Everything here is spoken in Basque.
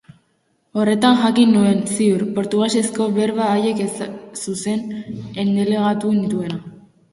Horretan jakin nuen, ziur, portugesezko berba haiek zuzen endelegatu nituena.